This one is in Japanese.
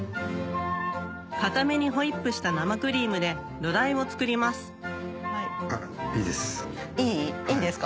硬めにホイップした生クリームで土台を作りますいいです。